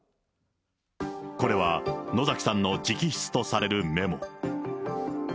これは野崎さんの直筆とされるメモ。